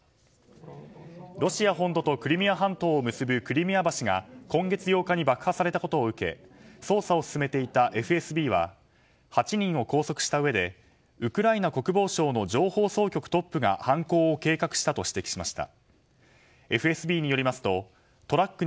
ロシア本土とクリミア半島を結ぶクリミア橋が今月８日に爆破されたことを受けて捜査を進めていたＦＳＢは８人を拘束したうえでウクライナ国防省の情報総局トップが犯行を計画したと指摘しました。